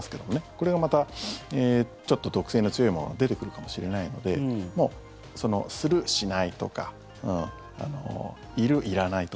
これがまたちょっと毒性の強いもの出てくるかもしれないのでする、しないとかいる、いらないとか。